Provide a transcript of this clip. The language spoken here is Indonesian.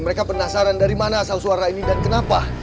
mereka penasaran dari mana asal suara ini dan kenapa